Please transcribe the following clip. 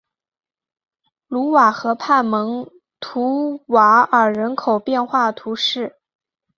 卢瓦河畔蒙图瓦尔人口变化图示